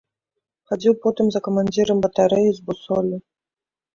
Хадзіў потым за камандзірам батарэі з бусоллю.